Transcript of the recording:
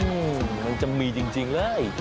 มันจะมีจริงเลย